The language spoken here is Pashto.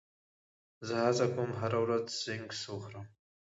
زه هڅه کوم هره ورځ سنکس وخورم.